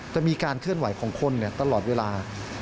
จะมีการเคลื่อนไหวของคนตลอดเวลา